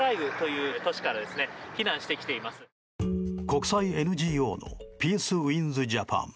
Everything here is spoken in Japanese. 国際ＮＧＯのピースウィンズ・ジャパン。